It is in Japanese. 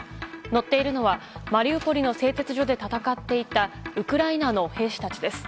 乗っているのはマリウポリの製鉄所で戦っていたウクライナの兵士たちです。